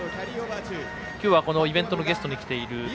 今日はイベントのゲストに来ています